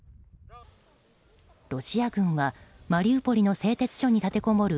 ロシア軍はマリウポリの製鉄所に立てこもる